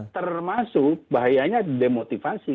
termasuk bahayanya demotivasi